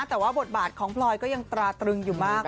แต่ว่าบทบาทของพลอยก็ยังตราตรึงอยู่มาก